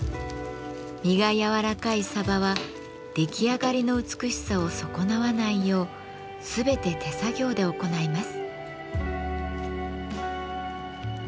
身がやわらかいサバは出来上がりの美しさを損なわないよう全て手作業で行います。